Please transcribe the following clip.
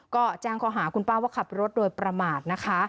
ก็แจ้งข้อหาคุณป้าว่าขับรถโดยประมาทนะคะ